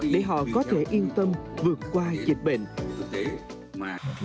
để họ có thể yên tâm vượt qua dịch bệnh